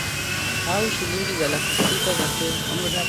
au shilingi za laki sita za Kenya